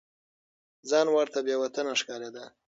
ځان ورته بې وطنه ښکارېده.